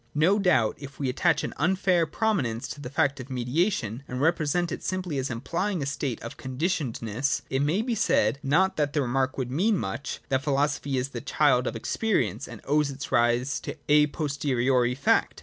— No doubt, if we attach an unfair promin ence to the fact of mediation, and represent it as imply ing a state of conditionedness, it may be said — not that the remark would mean much— that philosophy is the child of experience, and owes its rise to a posteriori fact.